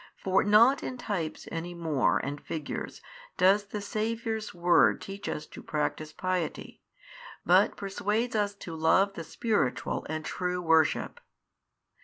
For not in types any more and figures does the Saviour's word teach us to practise piety, but persuades us to love the spiritual and true worship.